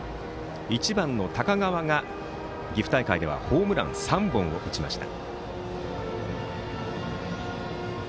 １番の高川が岐阜大会はホームラン３本を打ちました。